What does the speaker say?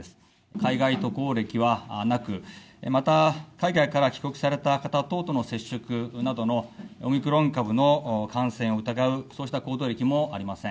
海外渡航歴はなく、また海外から帰国された方等との接触などのオミクロン株の感染を疑う、そうした行動歴もありません。